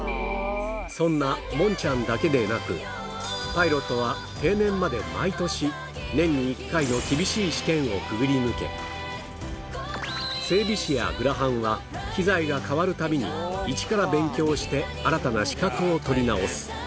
そんなモンちゃんだけでなく、パイロットは定年まで毎年、年１回の厳しい試験をくぐり抜け、整備士やグラハンは、機材が変わるたびに、一から勉強して新たな資格を取り直す。